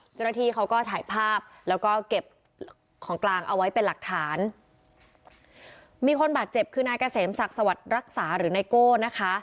เจ้าหน้าที่เขาก็ถ่ายภาพแล้วก็เก็บของกลางเอาไว้เป็นหลักฐานมีคนบาดเจ็บคือนายเกษมศักดิ์สวัสดิ์รักษาหรือไนโก้นะคะ